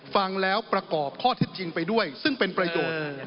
ฟังแล้วประกอบข้อเท็จจริงไปด้วยซึ่งเป็นประโยชน์